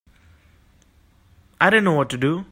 I didn't know what to do.